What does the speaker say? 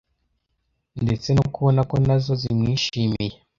ndetse no kubona ko nazo zimwishimiye.